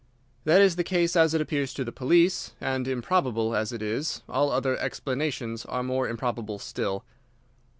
That is the case as it appears to the police, and improbable as it is, all other explanations are more improbable still.